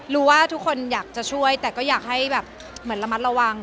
รู้ว่าทุกคนอยากจะช่วยแต่ก็อยากให้แบบเหมือนระมัดระวัง